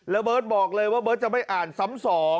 แล้วเบิร์ตบอกเลยว่าเบิร์ตจะไม่อ่านซ้ำ๒